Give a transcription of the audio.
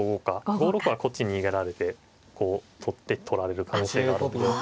５六はこっちに逃げられてこう取って取られる可能性があるんで。